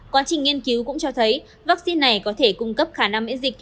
quá trình nghiên cứu cũng cho thấy vaccine này có thể cung cấp khả năng miễn dịch